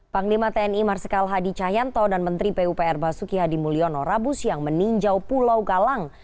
panglima tni marsikal hadi cahyanto dan menteri pupr basuki hadi mulyono rabu siang meninjau pulau galang